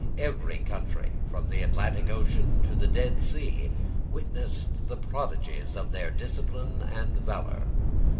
Every country, from the Atlantic Ocean to the Dead Sea, witnessed the prodigies of their discipline and valour.